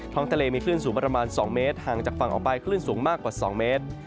ทะเลมีคลื่นสูงประมาณ๒เมตรห่างจากฝั่งออกไปคลื่นสูงมากกว่า๒เมตร